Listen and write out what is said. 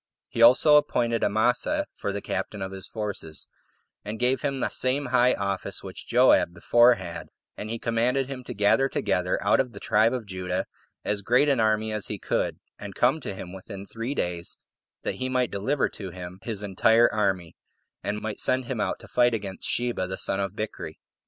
He also appointed Amasa for the captain of his forces, and gave him the same high office which Joab before had; and he commanded him to gather together, out of the tribe of Judah, as great an army as he could, and come to him within three days, that he might deliver to him his entire army, and might send him to fight against [Sheba] the son of Bichri.